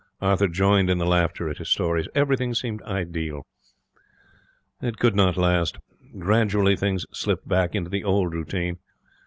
Arthur joined in the laughter at his stories. Everything seemed ideal. It could not last. Gradually things slipped back into the old routine.